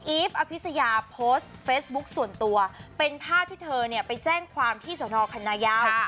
ีฟอภิษยาโพสต์เฟซบุ๊คส่วนตัวเป็นภาพที่เธอเนี่ยไปแจ้งความที่สนคณะยาว